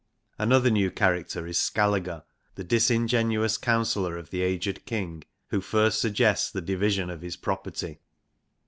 Another new character is Skaliiger, / the : disingenuous counsellor of the aged King, wKo~~nTSt suggests the division of his property.